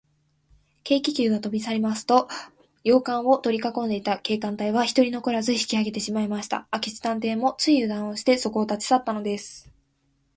軽気球がとびさりますと、洋館をとりかこんでいた警官隊は、ひとり残らず引きあげてしまいました。明智探偵も、ついゆだんをして、そこを立ちさったのです。